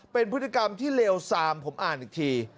เป็นพฤติกรรมที่เลวซามผมอ่านอีกที